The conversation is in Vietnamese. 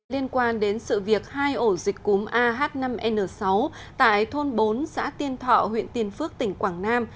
liên quan đến sự việc hai ổ dịch cúm ah năm n sáu tại thôn bốn xã tiên thọ huyện tiên phước tỉnh quảng nam